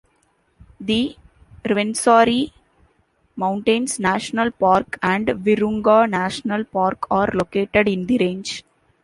The Rwenzori Mountains National Park and Virunga National Park are located in the range.